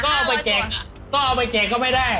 ก็เอาไปแจกก็ไม่ได้